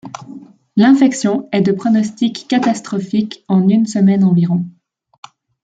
L'infection est de pronostic catastrophique en une semaine environ.